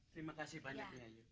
terima kasih banyak nyayu